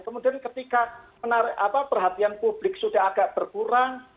kemudian ketika perhatian publik sudah agak berkurang